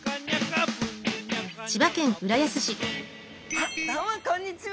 あっどうもこんにちは。